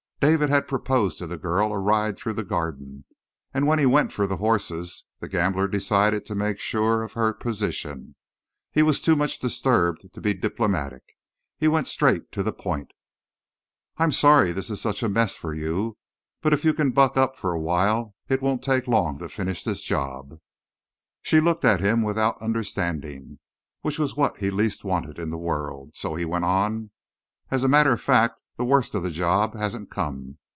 David had proposed to the girl a ride through the Garden, and when he went for the horses the gambler decided to make sure of her position. He was too much disturbed to be diplomatic. He went straight to the point. "I'm sorry this is such a mess for you; but if you can buck up for a while it won't take long to finish the job." She looked at him without understanding, which was what he least wanted in the world. So he went on: "As a matter of fact, the worst of the job hasn't come.